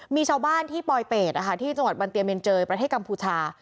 มีชาวบ้านที่ปลอยเป็ดนะคะที่จังหวัดบันเตียเมนเจยประเทศกัมพูชา